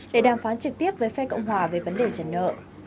để đàm phán trực tiếp với phe cộng hòa về vấn đề trần nợ